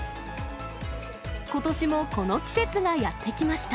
ことしもこの季節がやって来ました。